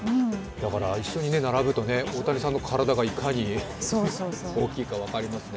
一緒に並ぶと大谷さんの体がいかに大きいか分かりますね。